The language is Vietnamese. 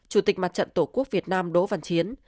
một mươi sáu chủ tịch mặt trận tổ quốc việt nam đỗ văn chiến